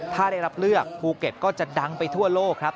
ถ้าได้รับเลือกภูเก็ตก็จะดังไปทั่วโลกครับ